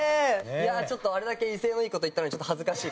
いやあちょっとあれだけ威勢のいい事言ったのにちょっと恥ずかしい。